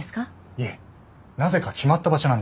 いえなぜか決まった場所なんです。